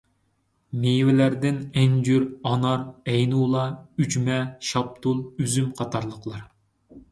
مېۋىلەردىن ئەنجۈر، ئانار، ئەينۇلا، ئۈجمە، شاپتۇل، ئۈزۈم قاتارلىقلار.